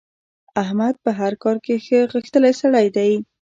احمد په هر کار کې ښه غښتلی سړی دی.